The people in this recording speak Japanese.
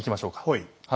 はい。